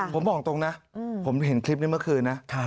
ผมบอกตรงนะผมเห็นคลิปนี้เมื่อคืนนะ